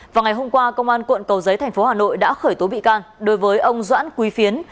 vào ngày hôm qua công an quận cầu giấy thành phố hà nội đã khởi tố bị can đối với ông doãn quý phiến